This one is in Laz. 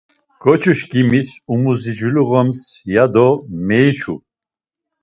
Ǩoçişkimis umuziciluğams ya do meyiçu.